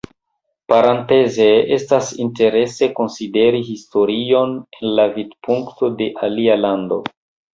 Parenteze, estas interese konsideri historion el la vidpunkto de alia lando.